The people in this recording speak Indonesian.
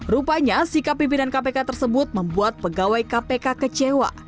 rupanya sikap pimpinan kpk tersebut membuat pegawai kpk kecewa